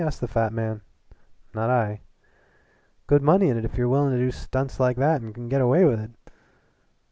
asked the fat man. "Not I." "Good money in it if you're willin' to do stunts like 'at an' can get away with it."